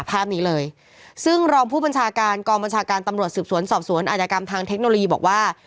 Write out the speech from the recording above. ภาพนี้เลยซึ่งรองผู้บัญชาการกองบัญชาการตำรวจสืบสวนสอบสวนอาจกรรมทางเทคโนโลยีบอกว่า